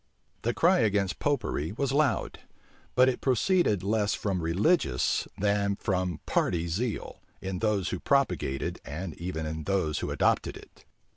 The cry against Popery was loud; but it proceeded less from religious than from party zeal, in those who propagated, and even in those who adopted it.